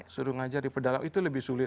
suruh ngajar di pedalam itu lebih sulit